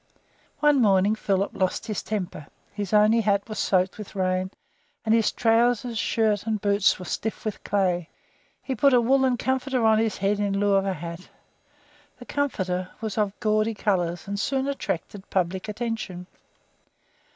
One morning Philip lost his temper; his only hat was soaked with rain, and his trousers, shirt, and boots were stiff with clay. He put a woollen comforter on his head in lieu of the hat. The comforter was of gaudy colours, and soon attracted public attention.